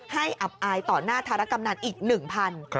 อับอายต่อหน้าธารกำนันอีก๑๐๐บาท